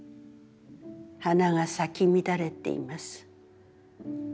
花が咲き乱れています。